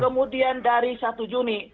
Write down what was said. kemudian dari satu juni